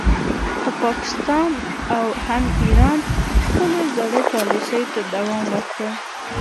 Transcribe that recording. خو پاکستان او هم ایران خپلو زړو پالیسیو ته دوام ورکړ